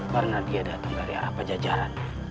karena dia datang dari arah pak jajaran